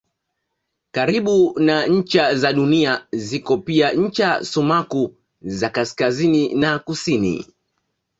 Karibu na ncha za Dunia ziko pia ncha sumaku za kaskazini na kusini.